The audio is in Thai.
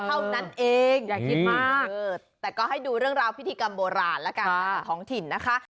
เท่านั้นเองอย่าคิดมากแต่ก็ให้ดูเรื่องราวพิธีกรรมโบราณแล้วกันสำหรับท้องถิ่นนะคะ